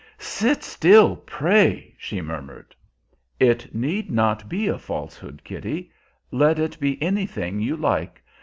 "Sit still, pray!" she murmured. "It need not be a falsehood, Kitty. Let it be anything you like.